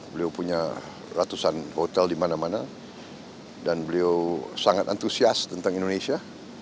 beliau punya ratusan hotel di mana mana dan beliau sangat antusias tentang indonesia